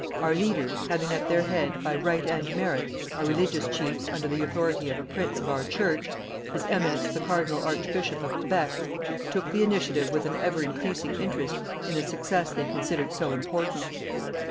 Our leaders, having at their head, by right and merit, our religious chiefs under the authority of a prince of our Church, his Eminence the Cardinal Archbishop of Quebec, took the initiative with an ever increasing interest in the success they considered so important.